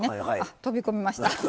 飛び込みました。